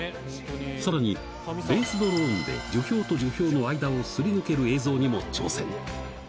さらに、レースドローンで樹氷と樹氷の間をすり抜ける映像にも挑戦。